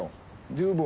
十分！